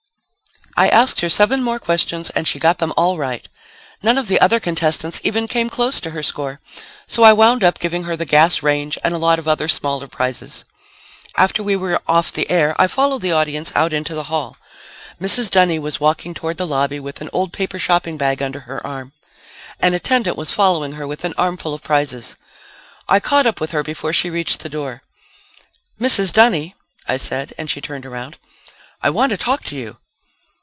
I asked her seven more questions and she got them all right. None of the other contestants even came close to her score, so I wound up giving her the gas range and a lot of other smaller prizes. After we were off the air I followed the audience out into the hall. Mrs. Dunny was walking towards the lobby with an old paper shopping bag under her arm. An attendant was following her with an armful of prizes. I caught up with her before she reached the door. "Mrs. Dunny," I said, and she turned around. "I want to talk to you."